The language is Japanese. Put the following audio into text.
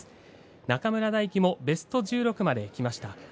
中村泰輝もベスト１６までいきました。